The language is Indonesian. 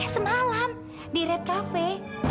semalam di red cafe